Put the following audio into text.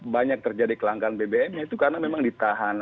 banyak terjadi kelangkaan bbm itu karena memang ditahan